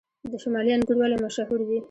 د شمالي انګور ولې مشهور دي؟